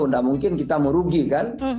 tidak mungkin kita merugi kan